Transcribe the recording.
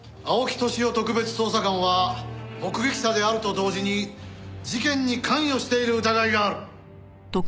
青木年男特別捜査官は目撃者であると同時に事件に関与している疑いがある。